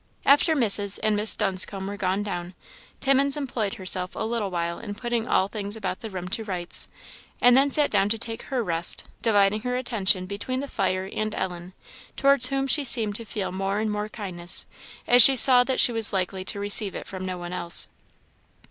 After Mrs. and Miss Dunscombe were gone down, Timmins employed herself a little while in putting all things about the room to rights; and then sat down to take her rest, dividing her attention between the fire and Ellen, towards whom she seemed to feel more and more kindness, as she saw that she was likely to receive it from no one else.